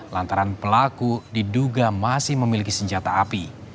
lantaran pelaku diduga masih memiliki senjata api